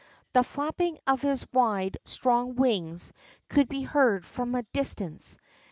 The flapping of his wide, strong wings could be heard from a dis tance.